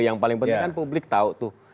yang paling penting kan publik tahu tuh